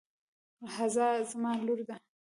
هُدا زما لور ده.